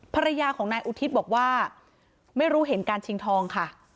ภรรยาของนายอุทิศบอกว่าไม่รู้เห็นการชิงทองค่ะ